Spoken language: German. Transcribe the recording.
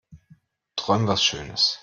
Träum was schönes.